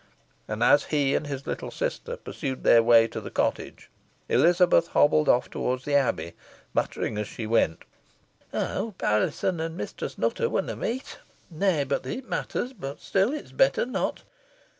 And as he and his little sister pursued their way to the cottage, Elizabeth hobbled off towards the Abbey, muttering, as she went, "I hope Alizon an Mistress Nutter winna meet. Nah that it matters, boh still it's better not.